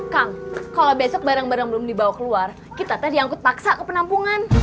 kang kalau besok barang barang belum dibawa keluar kita tadi angkut paksa ke penampungan